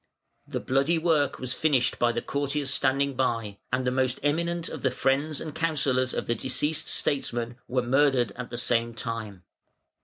The bloody work was finished by the courtiers standing by, and the most eminent of the friends and counsellors of the deceased statesman were murdered at the same time.